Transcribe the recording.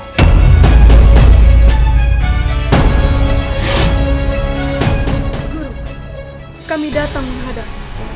guru kami datang menghadap